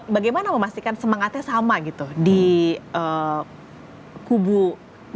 bagaimana memastikan semangatnya sama gitu di kubu dua